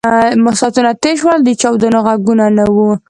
ساعتونه تېر شول او د چاودنو غږونه نه وو